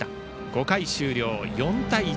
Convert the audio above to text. ５回終了、４対１。